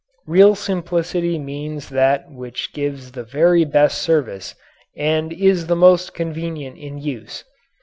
Real simplicity means that which gives the very best service and is the most convenient in use.